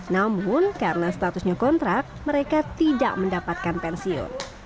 namun karena statusnya kontrak mereka tidak mendapatkan pensiun